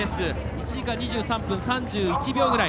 １時間２３分３１秒ぐらい。